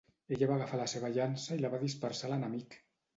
Ella va agafar la seva llança i va dispersar a l'enemic.